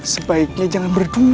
sebaiknya jangan berdumung